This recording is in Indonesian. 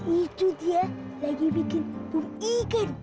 itu dia lagi bikin pupuk ikan